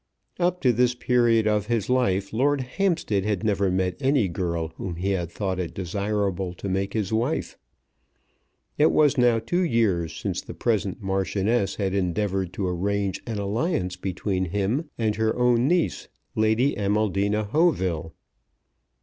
Up to this period of his life Lord Hampstead had never met any girl whom he had thought it desirable to make his wife. It was now two years since the present Marchioness had endeavoured to arrange an alliance between him and her own niece, Lady Amaldina Hauteville.